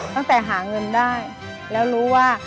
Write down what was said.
ตั้งแต่หาเงินได้แล้วรู้ว่า